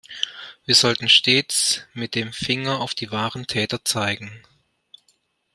Wir sollten stets mit dem Finger auf die wahren Täter zeigen.